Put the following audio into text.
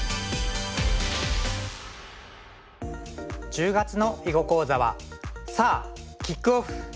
１０月の囲碁講座は「さぁ！キックオフ」。